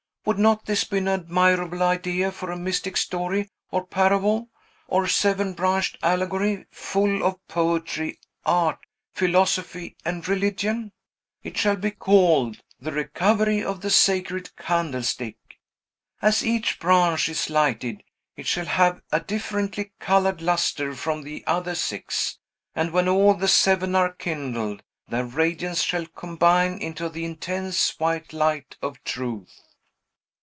Would not this be an admirable idea for a mystic story or parable, or seven branched allegory, full of poetry, art, philosophy, and religion? It shall be called 'The Recovery of the Sacred Candlestick.' As each branch is lighted, it shall have a differently colored lustre from the other six; and when all the seven are kindled, their radiance shall combine into the intense white light of truth."